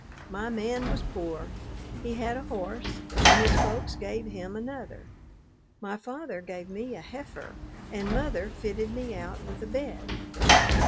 My man was poor. He had a horse, and his folks gave him another. My father gave me a heifer, and mother fitted me out with a bed.